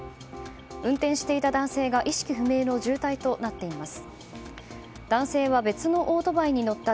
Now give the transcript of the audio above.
運転していた男性が意識不明の重体となっています。